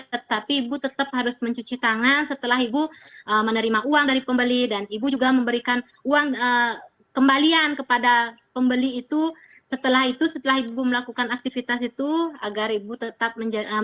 tetapi ibu tetap harus mencuci tangan setelah ibu menerima uang dari pembeli dan ibu juga memberikan uang kembalian kepada pembeli itu setelah itu setelah ibu melakukan aktivitas itu agar ibu tetap menjaga